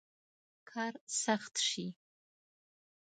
کار سخت شي.